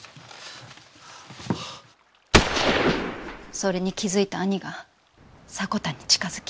それに気付いた兄が迫田に近づき。